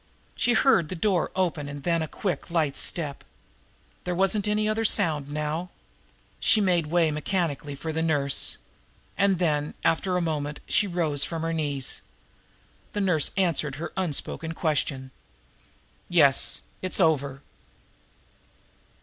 She heard the door open and then a quick, light step. There wasn't any other sound now. She made way mechanically for the nurse. And then, after a moment, she rose from her knees. The nurse answered her unspoken question. "Yes; it's over."